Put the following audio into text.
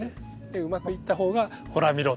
でうまくいった方がほら見ろ。